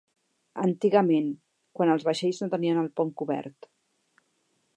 Antigament, quan els vaixells no tenien el pont cobert.